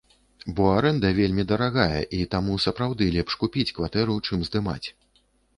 Бо арэнда вельмі дарагая, і таму сапраўды лепш купіць кватэру, чым здымаць.